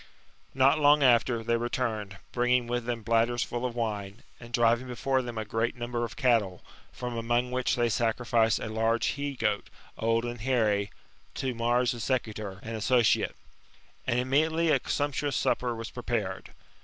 Not long after, they returned, bringing with them bladders full of wine, and driving before them a fi^eat number of cattle ; from among which they sacrificed a large he goat, old and hairy, to Mars the Secutor^ and Associate. And immediately a sumptuous supper was prepared.